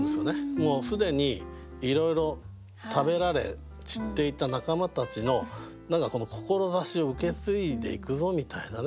もう既にいろいろ食べられ散っていった仲間たちの何か志を受け継いでいくぞみたいなね。